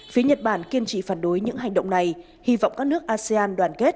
phía nhật bản kiên trị phản đối những hành động này hy vọng các nước asean